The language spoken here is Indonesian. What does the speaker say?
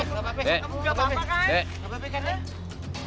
kamu enggak apa apa kan